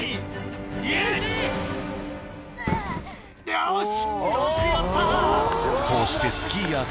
よし！